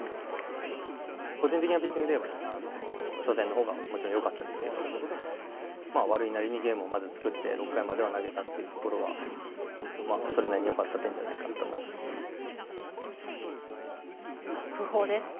個人的なピッチングではね、初戦のほうが、もちろんよかったですけど、悪いなりにゲームを作って、６回までは投げたっていうところは、それなりによかった点じゃな訃報です。